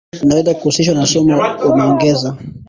vinaweza kuhusishwa na sumu, wameongeza